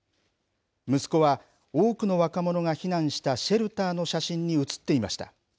息子は多くの若者が避難したシェルターの写真に写っていました。